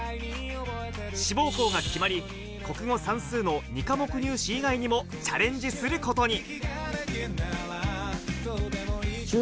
志望校が決まり、国語、算数の２科目入試以外にもチャレンジすることに。